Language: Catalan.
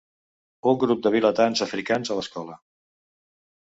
Un grup de vilatans africans a l'escola.